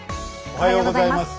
おはようございます。